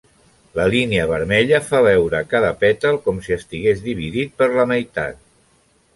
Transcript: La línia vermella fa veure a cada pètal com si estigués dividit per la meitat.